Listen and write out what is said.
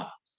ada di rumah